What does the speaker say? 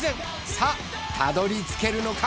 さぁたどり着けるのか！？